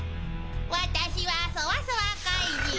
わたしはそわそわかいじん